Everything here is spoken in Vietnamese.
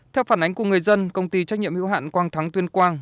theo phản ánh của người dân công ty trách nhiệm y hoạn quang thắng tuyên quang